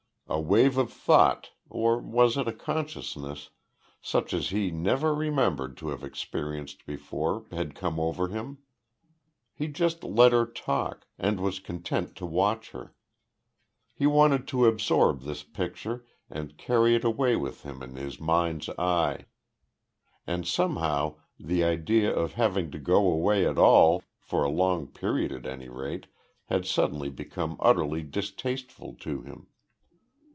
A wave of thought or was it a consciousness such as he never remembered to have experienced before, had come over him. He just let her talk, and was content to watch her. He wanted to absorb this picture and carry it away with him in his mind's eye; and somehow the idea of having to go away at all, for a long period at any rate, had suddenly become utterly distasteful to him.